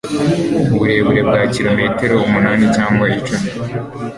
mu burebure bwa kilometero umunani cyangwa icumi